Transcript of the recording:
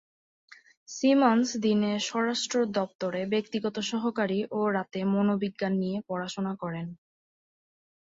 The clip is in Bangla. সিমন্স দিনে স্বরাষ্ট্র দপ্তরে ব্যক্তিগত সহকারী ও রাতে মনোবিজ্ঞান নিয়ে পড়াশোনা করেন।